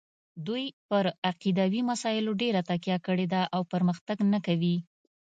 دوی پر عقیدوي مسایلو ډېره تکیه کړې ده او پرمختګ نه کوي.